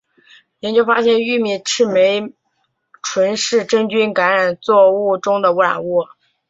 研究发现玉米赤霉醇是真菌感染作物中的污染物。